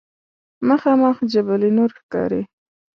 مخامخ جبل نور ښکاري.